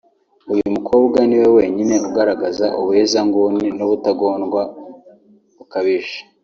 uyu mukobwa niwe wenyine ugaragaza ubuhezanguni n’ubutagondwa bukabije